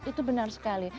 itu benar sekali